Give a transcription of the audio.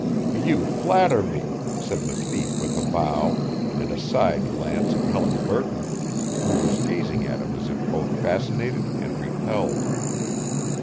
"You flatter me," said the thief with a bow, and a side glance at Helen Burton, who was gazing at him as if both fascinated and repelled.